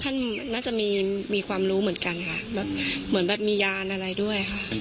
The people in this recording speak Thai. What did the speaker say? ท่านน่าจะมีมีความรู้เหมือนกันค่ะแบบเหมือนแบบมียานอะไรด้วยค่ะ